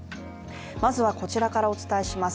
まずはこちらからお伝えします